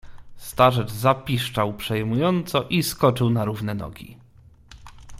"Starzec zapiszczał przejmująco i skoczył na równe nogi."